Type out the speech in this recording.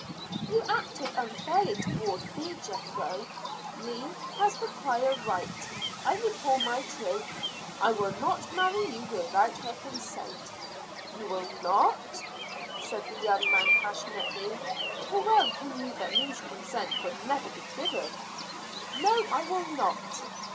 "You acted unfairly toward me, Jethro. Leah has the prior right. I recall my troth. I will not marry you without her consent." "You will not!" said the young man passionately for well he knew that Leah's consent would never be given. "No, I will not!"